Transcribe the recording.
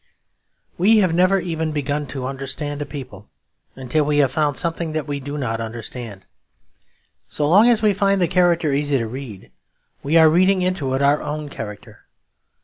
We have never even begun to understand a people until we have found something that we do not understand. So long as we find the character easy to read, we are reading into it our own character.